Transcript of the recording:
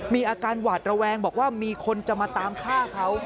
มีอาการหวาดระแวงบอกว่ามีคนจะมาตามฆ่าเขา